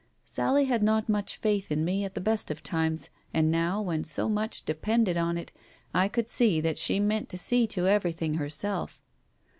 Sally had not much faith in me at the best of times, and now when so much depended on it, I could see that she meant to see to every thing herself.